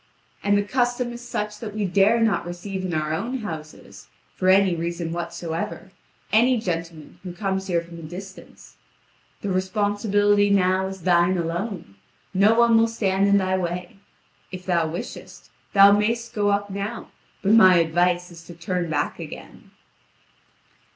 And the custom is such that we dare not receive in our own houses, for any reason whatsoever, any gentleman who comes here from a distance. The responsibility now is thine alone; no one will stand in thy way. If thou wishest, thou mayst go up now; but my advice is to turn back again."